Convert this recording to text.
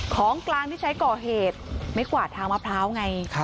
ของกลางที่ใช้ก่อเหตุไม่กวาดทางมะพร้าวไง